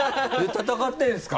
戦ってるんですか？